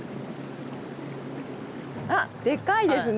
あっでっかいですね。